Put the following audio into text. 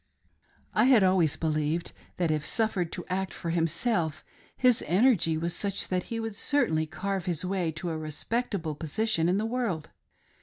I had always believed that if suffered to act for himself, 'his energy was such that he would certainly carve his way to a respectable position in the world.